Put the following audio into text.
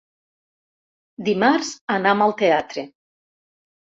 Dimarts anam al teatre.